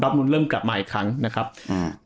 ดอทมูลเริ่มกลับมาอีกครั้งนะครับอืม